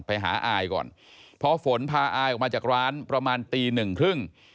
ไปหาอายก่อนพอฝนพาอายออกมาจากร้านประมาณตีหนึ่งครึ่ง